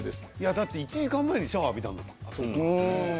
だって１時間前にシャワー浴びたもん。